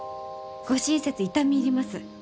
ご親切痛み入ります。